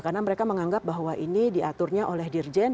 karena mereka menganggap bahwa ini diaturnya oleh dirjen